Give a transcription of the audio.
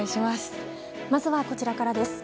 まずは、こちらからです。